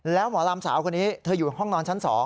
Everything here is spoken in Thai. แล้วหมอลำสาวคนนี้เธออยู่ห้องนอนชั้น๒